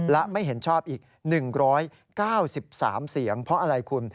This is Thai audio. และไม่เห็นชอบอีก๑๙๓เสียงเพราะอะไรคุณ